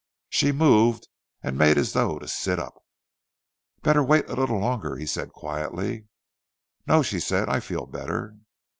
She moved and made as though to sit up. "Better wait a little longer," he said, quietly. "No," she said, "I feel better."